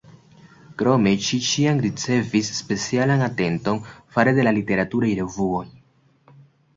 Krome, ŝi ĉiam ricevis specialan atenton fare de la literaturaj revuoj.